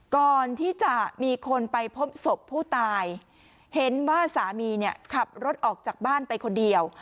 ก่อนที่จะมีคนไปพบศพผู้ตายเห็นว่าสามีเนี่ยขับรถออกจากบ้านไปคนเดียว